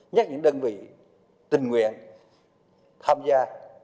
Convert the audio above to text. nhắc những đơn vị tình nguyện tham gia